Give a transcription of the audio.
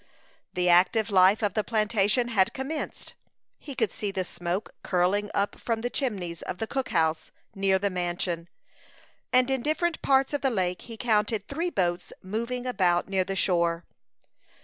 The active life of the plantation had commenced. He could see the smoke curling up from the chimneys of the cook house near the mansion; and in different parts of the lake he counted three boats moving about near the shore.